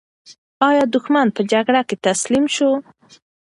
ایا دښمن په جګړه کې تسلیم شو؟